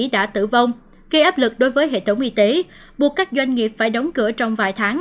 đã tử vong gây áp lực đối với hệ thống y tế buộc các doanh nghiệp phải đóng cửa trong vài tháng